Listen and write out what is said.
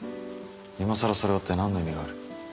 今更それを追って何の意味がある？